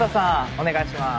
お願いします。